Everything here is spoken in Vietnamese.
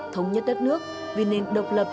thống nhất đất nước vì nền độc lập